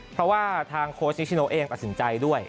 เพราะว่าทางโค้ชนิชิโนเองตัดสินใจด้วย